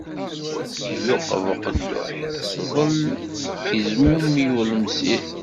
Iluqeb uqedduḥ sḍel, izmummeg ulemsir.